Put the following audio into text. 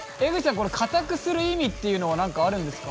これかたくする意味っていうのは何かあるんですか？